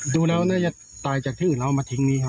ดูแล้วเราก็จะตายจากที่อื่นละเอามาทิ้งนี้เหรอ